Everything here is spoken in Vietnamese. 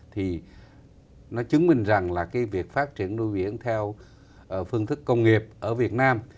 thì nó chứng minh rằng là cái việc phát triển nuôi biển theo phương thức công nghiệp ở việt nam